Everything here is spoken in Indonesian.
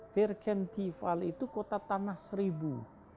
virgentival itu kota tanah seribu